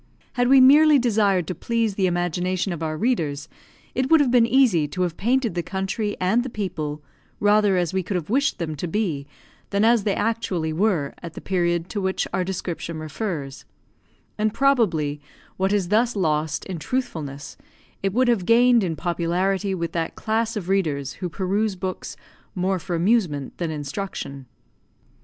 Had we merely desired to please the imagination of our readers, it would have been easy to have painted the country and the people rather as we could have wished them to be, than as they actually were, at the period to which our description refers; and, probably, what is thus lost in truthfulness, it would have gained in popularity with that class of readers who peruse books more for amusement than instruction.